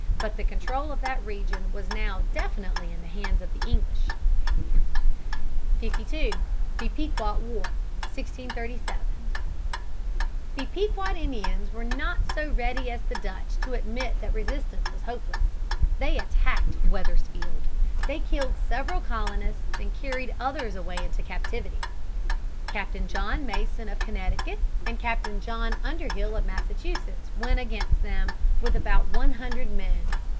But the control of that region was now definitely in the hands of the English. [Sidenote: Destruction of the Pequods, 1637.] 52. The Pequod War, 1637. The Pequod Indians were not so ready as the Dutch to admit that resistance was hopeless. They attacked Wethersfield. They killed several colonists, and carried others away into captivity. Captain John Mason of Connecticut and Captain John Underhill of Massachusetts went against them with about one hundred men.